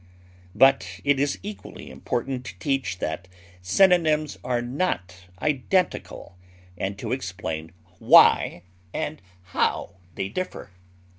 But it is equally important to teach that synonyms are not identical and to explain why and how they differ.